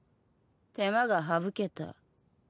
手間が省けた。